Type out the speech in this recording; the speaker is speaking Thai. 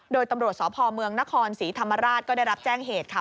โดยตำรวจสพเมืองนครศรีธรรมราชก็ได้รับแจ้งเหตุค่ะ